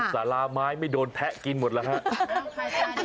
สาราไม้ไม่โดนแทะกินหมดแล้วครับ